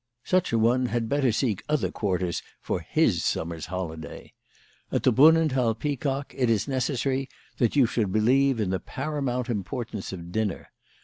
Such a one had better seek other quarters for his summer's holiday. At the Brunnenthal Peacock it is necessary that you should believe in the paramount importance of dinner.